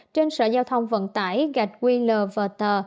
trên sở giao thông vận tải gạch qlvt